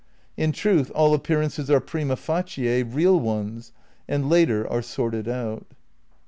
In truth all appearances are prima facie real ones, and later are sorted out."